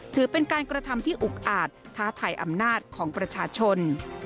ถือเป็นการกระทำที่อุกอาจท้าทายอำนาจของประชาชน